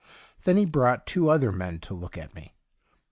Then he brought two other men to look at me.